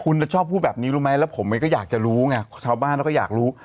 คุณท่าชอบมีแบบนี้รู้ไหมคุณละผมเองก็อยากจะรู้ไงแล้วสาวบ้านก็อยากรู้